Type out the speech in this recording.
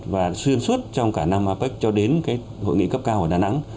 và xuyên suốt trong cả năm apec cho đến hội nghị cấp cao ở đà nẵng